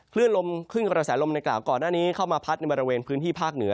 ลมคลื่นกระแสลมในกล่าวก่อนหน้านี้เข้ามาพัดในบริเวณพื้นที่ภาคเหนือ